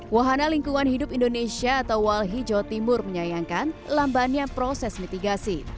wahana lingkungan hidup indonesia atau walhi jawa timur menyayangkan lambannya proses mitigasi